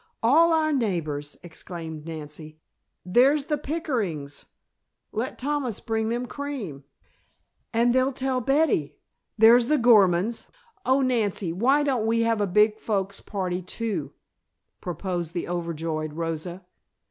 "All our neighbors!" exclaimed Nancy. "There's the Pickerings. Let Thomas bring them cream " "And they'll tell Betty! There's the Gormans! Oh, Nancy, why don't we have a big folks party, too?" proposed the over joyed Rosa.